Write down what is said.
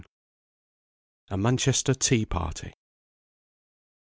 A MANCHESTER TEA PARTY.